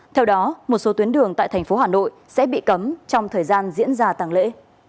theo đó một số tuyến đường tại tp hcm sẽ bị cấm trong thời gian diễn ra tăng lễ